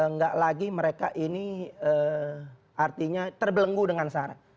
nggak lagi mereka ini artinya terbelenggu dengan syarat